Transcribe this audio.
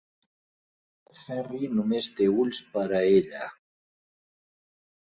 El Ferri només té ulls per a ella.